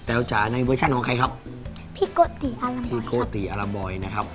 แต่วจาในเวอร์ชันของใครครับพี่โกติอลัมบอยครับ